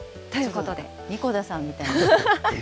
神子田さんみたいになってる。